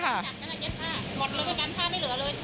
จัดกันแหละเย็บผ้าหมดเลยเหมือนกันผ้าไม่เหลือเลย